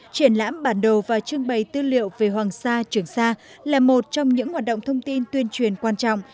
triển lãm bản đồ và trưng bày tư liệu về hoàng sa trường sa là một trong những hoạt động thông tin tuyên truyền quan trọng